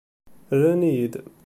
Rran-iyi-d.